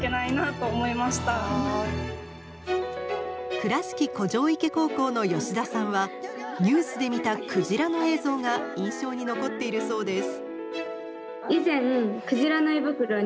倉敷古城池高校の吉田さんはニュースで見たクジラの映像が印象に残っているそうです。